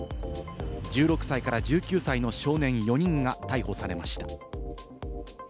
１６歳から１９歳の少年４人が逮捕されました。